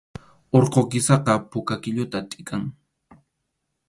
Urqu kisaqa puka qʼilluta tʼikan